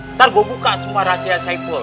nanti gue buka semua rahasia saipul